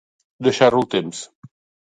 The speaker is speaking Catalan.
Deixar-ho al temps.